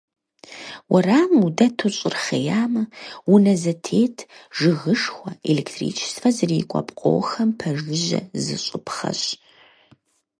Уэрамым удэту щӏыр хъеямэ, унэ зэтет, жыгышхуэ, электричествэ зрикӏуэ пкъохэм пэжыжьэ зыщӏыпхъэщ.